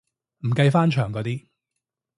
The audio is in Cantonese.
唔計翻牆嗰啲